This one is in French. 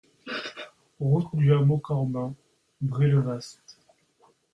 Route du Hameau Corbin, Brillevast